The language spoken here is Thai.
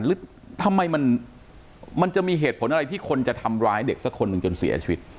หรือทำไมมันจะมีเหตุผลอะไรที่คนจะทำร้ายเด็กสักคนหนึ่งจนเสียชีวิต